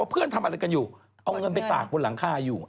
เอาเงินไปตากบนหลังค่าอยู่